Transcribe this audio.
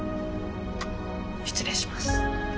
失礼します。